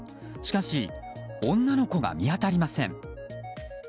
しかし、女の子が見当たりません。